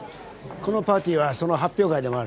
このパーティーはその発表会でもある。